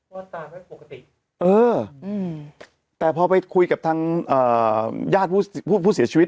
ปกติเอออืมแต่พอไปคุยกับทางอ่าญาติผู้ผู้ผู้เสียชีวิต